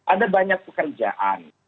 ada banyak pekerjaan